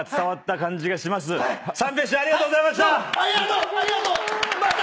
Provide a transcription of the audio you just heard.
三平師匠ありがとうございました！